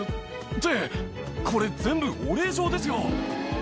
って、これ、全部お礼状ですよ。